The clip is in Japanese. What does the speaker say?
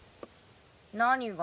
何が？